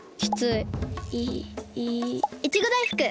いいいちごだいふく！